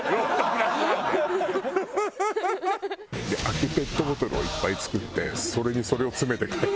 空きペットボトルをいっぱい作ってそれにそれを詰めて帰る。